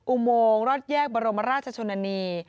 อุโมงรอดแยกบรมราชชนนานี